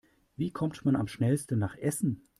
Wie kommt man am schnellsten nach Essen?